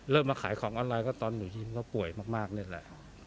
มาขายของออนไลน์ก็ตอนหนูยิ้มก็ป่วยมากนี่แหละ